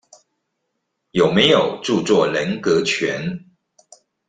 有沒有著作人格權？